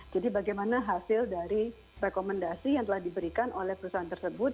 jadi bagaimana hasil dari rekomendasi yang telah diberikan oleh perusahaan tersebut